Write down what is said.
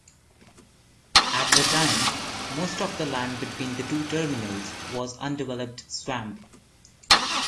At the time, most of the land between the two terminals was undeveloped swamp.